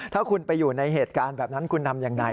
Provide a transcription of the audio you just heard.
ถ้าคุณไปอยู่ในเหตุการณ์แบบนั้นคุณทำยังไง